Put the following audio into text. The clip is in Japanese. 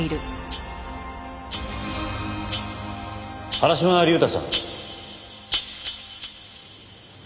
原島隆太さん。